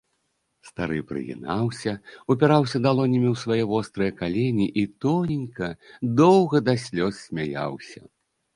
Стары прыгінаўся, упіраўся далонямі ў свае вострыя калені і тоненька, доўга да слёз смяяўся.